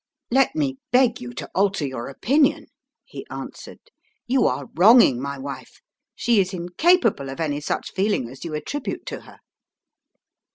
"Let me beg you to alter your opinion," he answered. "You are wronging my wife; she is incapable of any such feeling as you attribute to her."